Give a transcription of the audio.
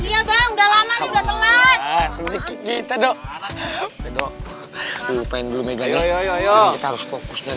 ya udah lama udah telat kita lupain dulu kita harus fokusnya